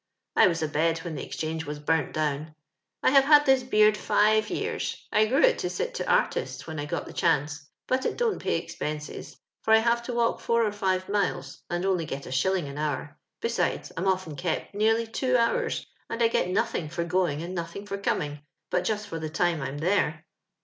" I was a bed when the Exchange was burnt down. I have had this beard five years. I grew it to sit to artists when I got the chance ; but it don't pay expenses — ^for I have to walk four or five miles, and only get a shilling an hour : besides, I'm often kept nearly two hours, and I get nothing for going and nothing for coming, but just for the time I am there.